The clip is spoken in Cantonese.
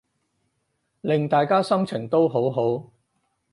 令大家心情都好好